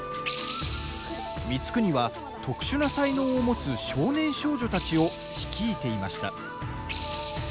光圀は特殊な才能を持つ少年少女たちを率いていました。